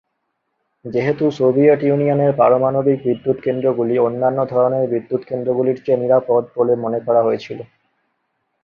যেহেতু সোভিয়েত ইউনিয়নের পারমাণবিক বিদ্যুৎ কেন্দ্রগুলি অন্যান্য ধরণের বিদ্যুৎ কেন্দ্রগুলির চেয়ে নিরাপদ বলে মনে করা হয়েছিল।